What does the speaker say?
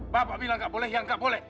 bapak bilang gak boleh ya gak boleh